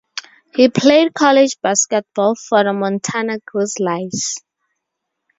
He played college basketball for the Montana Grizzlies.